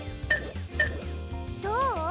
どう？